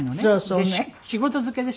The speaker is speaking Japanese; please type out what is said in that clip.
で仕事漬けでしょ。